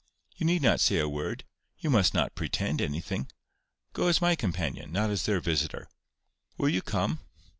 You need not say a word—you must not pretend anything. Go as my companion, not as their visitor. Will you come?"